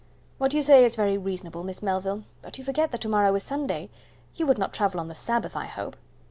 "What you say is very reasonable, Miss Melville, but you forget that to morrow is Sunday. You would not travel on the Sabbath, I hope?"